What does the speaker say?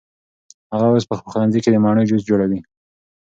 هغه اوس په پخلنځي کې د مڼو جوس جوړوي.